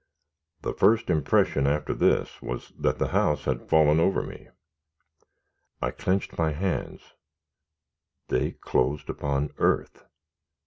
My first impression, after this, was that the house had fallen over me. I clenched my hands they closed upon earth!